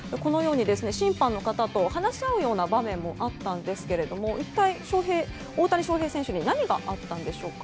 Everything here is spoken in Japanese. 審判の方と話し合うような場面もあったんですが一体、大谷翔平選手に何があったんでしょうか。